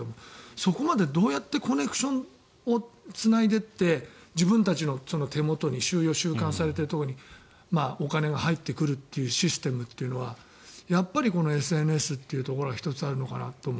そこまでどうやってコネクションをつないでいって自分たちの手元に収容・収監されているところにお金が入ってくるというシステムというのはやっぱりＳＮＳというところが１つあるのかなと思う。